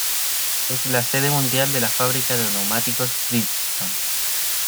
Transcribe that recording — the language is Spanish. Es la sede mundial de la fábrica de neumáticos Bridgestone.